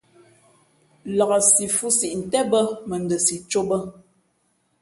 Laksí fhʉ̄ siʼ ntén bᾱ, mα n ndα si cō bᾱ.